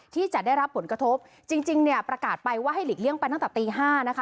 ที่จะได้รับผลกระทบจริงจริงเนี่ยประกาศไปว่าให้หลีกเลี่ยงไปตั้งแต่ตีห้านะคะ